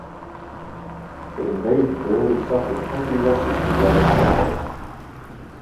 The invasion had already suffered heavy losses to yellow fever.